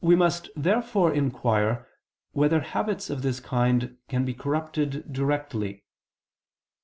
We must therefore inquire whether habits of this kind can be corrupted directly.